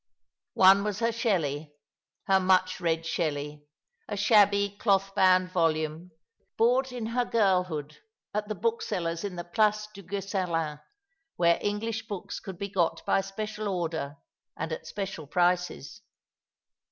One was her Shelley— her much read Shelley — a shabby, cloth bound volume, bought in her girlhood at the book seller's in the Place Duguesclin, where English books could be got by special order, and at special prices.